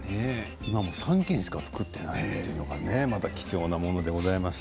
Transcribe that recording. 今、３軒しか作っていないということで貴重なものでございました。